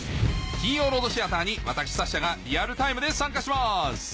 金曜ロードシアターに私サッシャがリアルタイムで参加します